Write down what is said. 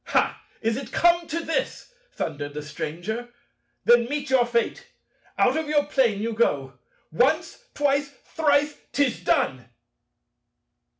"Ha! Is it come to this?" thundered the Stranger: "then meet your fate: out of your Plane you go. Once, twice, thrice! 'Tis done!"